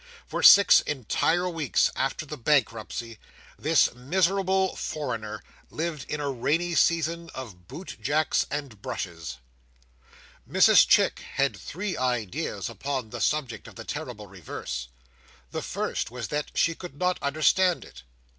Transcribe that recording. For six entire weeks after the bankruptcy, this miserable foreigner lived in a rainy season of boot jacks and brushes. Mrs Chick had three ideas upon the subject of the terrible reverse. The first was that she could not understand it.